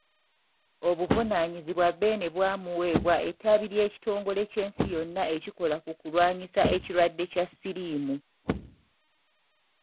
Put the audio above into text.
Obuvunaanyizibwa Beene bwamuweebwa ettabi ly'ekitongole ky'ensi yonna ekikola ku kulwanyisa ekirwadde kya Siriimu.